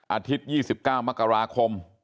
อาทิตย์๒๙มกราคม